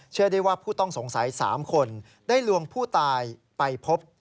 เชื่อได้ว่าผู้ต้องสงสัย๓คนได้ลวงผู้ตายไปพบ